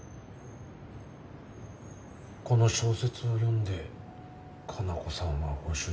この小説を読んで加奈子さんはご主人を。